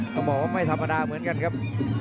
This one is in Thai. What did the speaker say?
ต้องบอกว่าไม่ธรรมดาเหมือนกันครับ